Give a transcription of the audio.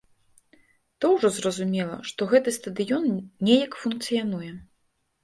То ўжо зразумела, што гэты стадыён неяк функцыянуе.